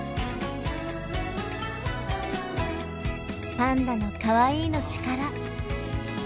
パンダの「かわいい」の力。